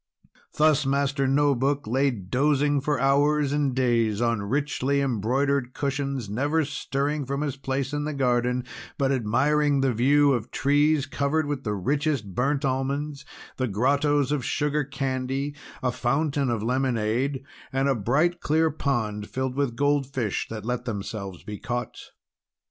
Thus Master No Book lay dozing for hours and days on richly embroidered cushions, never stirring from his place in the garden, but admiring the view of trees covered with the richest burnt almonds, the grottoes of sugar candy, a fountain of lemonade, and a bright clear pond filled with goldfish that let themselves be caught.